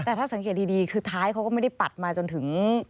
แต่ถ้าสังเกตดีคือท้ายเขาก็ไม่ได้ปัดมาจนถึง